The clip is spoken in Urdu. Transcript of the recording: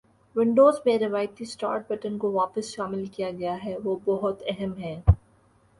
ونڈوز میں روایتی سٹارٹ بٹن کو واپس شامل کیا گیا ہے وہ بہت أہم ہیں